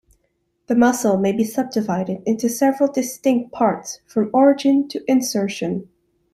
The muscle may be subdivided into several distinct parts from origin to insertion.